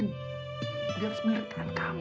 melihat sendiri tangan kamu